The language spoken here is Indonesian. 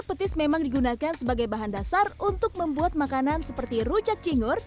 petis memang digunakan sebagai bahan dasar untuk membuat makanan seperti rujak cingur